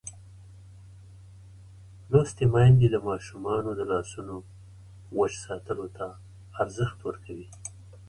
لوستې میندې د ماشومانو د لاسونو وچ ساتلو ته ارزښت ورکوي.